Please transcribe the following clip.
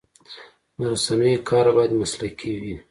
د رسنیو کار باید مسلکي وي.